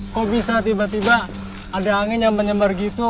kok bisa tiba tiba ada angin yang menyebar gitu